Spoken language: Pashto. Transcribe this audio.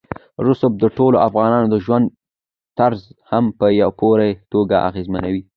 رسوب د ټولو افغانانو د ژوند طرز هم په پوره توګه اغېزمنوي.